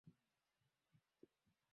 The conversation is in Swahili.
lakini kanuni hii ilisitishwa baadayekidogo